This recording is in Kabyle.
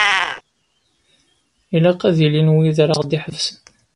Ilaq ad ilin wid ara ɣ-d-iḥebsen.